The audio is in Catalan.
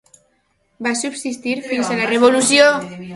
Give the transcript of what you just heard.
Va subsistir fins a la revolució.